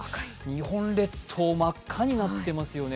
日本列島、真っ赤になってますよね